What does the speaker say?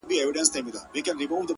د خدای د عرش قهر د دواړو جهانونو زهر،